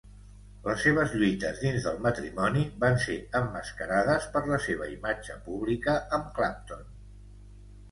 Les seves lluites dins del matrimoni van ser emmascarades per la seva imatge pública amb Clapton.